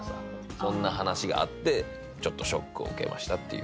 そんな話があってちょっとショックを受けましたっていう。